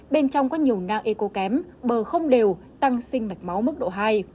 bên trong có nhiều nang eco kém bờ không đều tăng sinh mạch máu mức độ hai